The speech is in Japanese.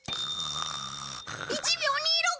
１秒２６！